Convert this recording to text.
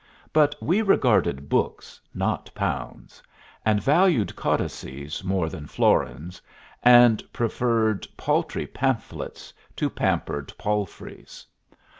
But we regarded books, not pounds; and valued codices more than florins, and preferred paltry pamphlets to pampered palfreys.